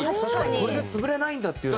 これで潰れないんだっていうのも。